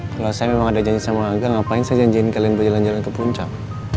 kalau saya memang ada janji sama angga ngapain saya janjiin kalian berjalan jalan ke puncak